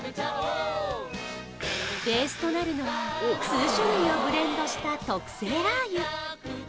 ベースとなるのは数種類をブレンドした特製ラー油